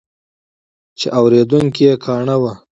چې اورېدونکي یې کاڼه وي.